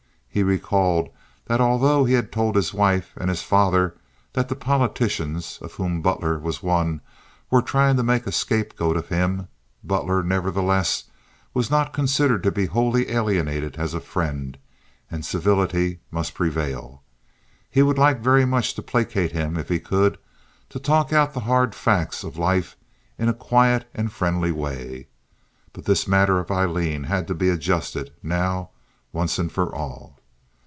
He recalled that although he had told his wife and his father that the politicians, of whom Butler was one, were trying to make a scapegoat of him, Butler, nevertheless, was not considered to be wholly alienated as a friend, and civility must prevail. He would like very much to placate him if he could, to talk out the hard facts of life in a quiet and friendly way. But this matter of Aileen had to be adjusted now once and for all.